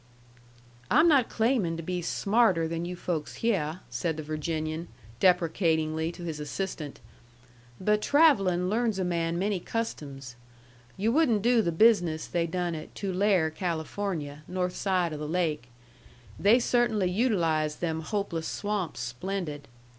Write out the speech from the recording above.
"I'm not claimin' to be smarter than you folks hyeh," said the Virginian, deprecatingly, to his assistant. "But travellin' learns a man many customs. You wouldn't do the business they done at Tulare, California, north side o' the lake. They cert'nly utilized them hopeless swamps splendid.